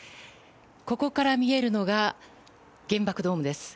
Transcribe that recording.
ここから見えるのが原爆ドームです。